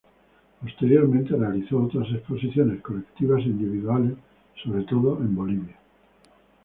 Posteriormente realizó otras exposiciones colectivas e individuales sobre todo en Bolivia.